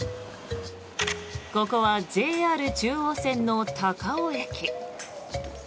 ここはＪＲ中央線の高尾駅。